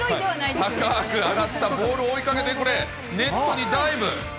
高く上がったボールを追いかけてこれ、ネットにダイブ。